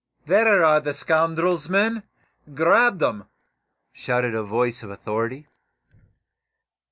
"There are the scoundrels, men! Grab them!" shouted a voice of authority.